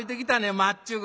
まっちゅぐ。